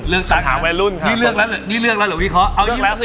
เรียกแล้วสิ